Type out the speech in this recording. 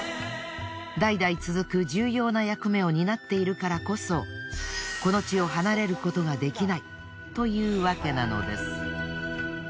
代々続く重要な役目を担っているからこそこの地を離れることができないというわけなのです。